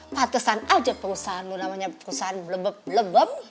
pantesan aja perusahaanmu namanya perusahaan blebep blebem